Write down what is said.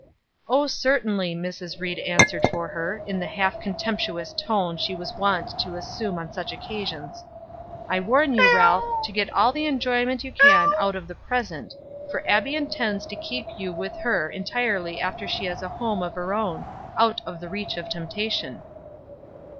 "Oh, certainly," Mrs. Ried answered for her, in the half contemptuous tone she was wont to assume on such occasions. "I warn you, Ralph, to get all the enjoyment you can out of the present, for Abbie intends to keep you with her entirely after she has a home of her own out of the reach of temptation."